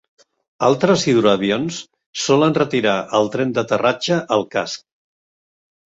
Altres hidroavions solen retirar el tren d'aterratge al casc.